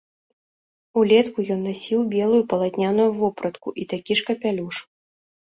Улетку ён насіў белую палатняную вопратку і такі ж капялюш.